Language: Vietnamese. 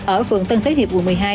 ở phường tân thế hiệp quận một mươi hai